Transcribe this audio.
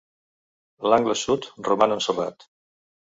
L'angle sud roman ensorrat.